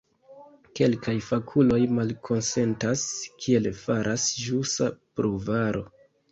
Kelkaj fakuloj malkonsentas, kiel faras ĵusa pruvaro.